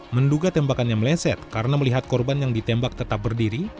menduga tembakannya meleset karena melihat korban yang ditembak tetap berdiri